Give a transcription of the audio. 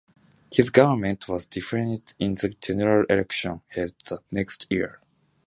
His government was defeated in the general election held the next year.